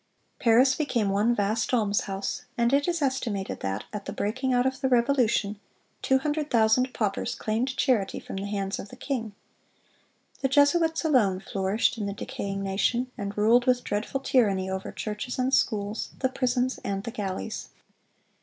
Paris became one vast almshouse, and it is estimated that, at the breaking out of the Revolution, two hundred thousand paupers claimed charity from the hands of the king. The Jesuits alone flourished in the decaying nation, and ruled with dreadful tyranny over churches and schools, the prisons and the galleys."